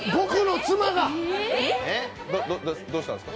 どうしたんですか？